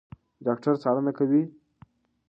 ډاکټره څارنه کوي.